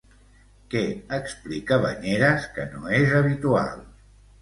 Què explica Bañeres que no és habitual?